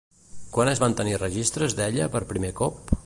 Quan es van tenir registres d'ella per primer cop?